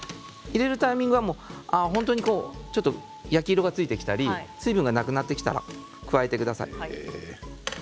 本当にちょっと焼き色が付いてきたり、水分がなくなってきたら加えてください。